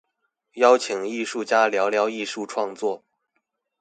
邀請藝術家聊聊藝術創作